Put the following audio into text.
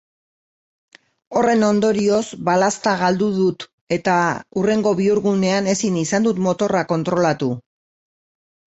Horren ondorioz balazta galdu dut eta hurrengo bihurgunean ezin izan dut motorra kontrolatu.